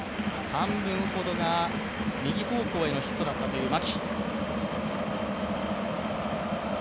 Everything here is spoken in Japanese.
半分ほどが右方向へのヒットだったという牧。